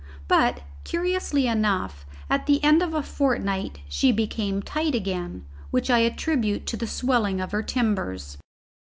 But, curiously enough, at the end of a fortnight she became tight again, which I attribute to the swelling of her timbers.